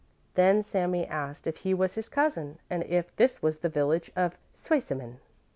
Then Sami asked if he was his cousin, and if this was the village of Zweisimmen?